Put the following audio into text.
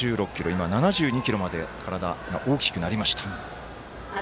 今は７２ｋｇまで体が大きくなりました。